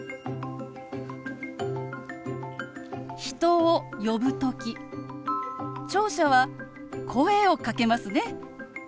人を呼ぶ時聴者は声をかけますね。